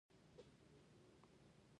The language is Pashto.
ګنبده دروازه نلرله او ډیره لویه وه.